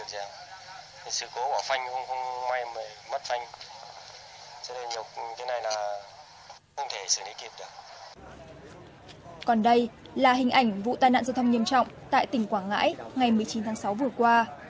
còn đây là hình ảnh vụ tai nạn giao thông nghiêm trọng tại tỉnh quảng ngãi ngày một mươi chín tháng sáu vừa qua